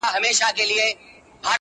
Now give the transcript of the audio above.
یو نن نه دی زه به څو ځلي راځمه،